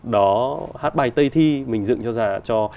đó hát bài tây thi mình dựng ra cho